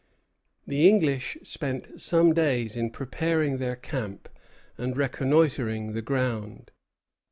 The English spent some days in preparing their camp and reconnoitring the ground.